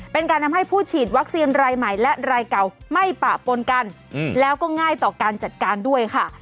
เป็นการทำให้ผู้ฉีดวัคซีนรายใหม่และรายเก่าไม่ปะปนกันแล้วก็ง่ายต่อการจัดการด้วยค่ะ